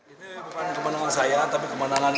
ini bukan kemenangan saya tapi kemenangan